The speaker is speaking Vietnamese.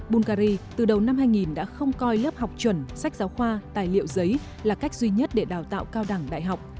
bungary từ đầu năm hai nghìn đã không coi lớp học chuẩn sách giáo khoa tài liệu giấy là cách duy nhất để đào tạo cao đẳng đại học